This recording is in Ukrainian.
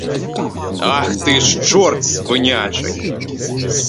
Ах ти ж чорт свинячий!